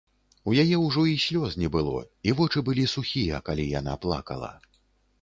У яе ўжо і слёз не было, і вочы былі сухія, калі яна плакала.